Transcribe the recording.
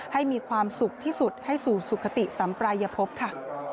ให้มีความสุขที่สุดให้สู่สุขติสัมปรายภพค่ะ